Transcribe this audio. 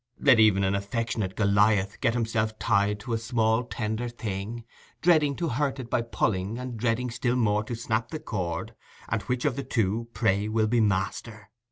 Let even an affectionate Goliath get himself tied to a small tender thing, dreading to hurt it by pulling, and dreading still more to snap the cord, and which of the two, pray, will be master?